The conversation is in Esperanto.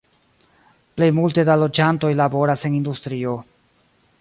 Plej multe da loĝantoj laboras en industrio.